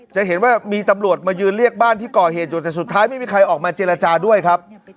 จะเห็นว่ามีตำรวจมายืนเรียกบ้านที่ก่อเหตุอยู่แต่สุดท้ายไม่มีใครออกมาเจรจาด้วยครับ